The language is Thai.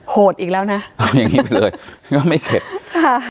อีกแล้วนะเอาอย่างงี้ไปเลยก็ไม่เข็ดค่ะ